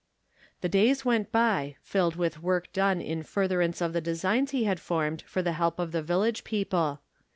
The days went by, filled with work done in furtherance of the designs he had formed for the help of the village people.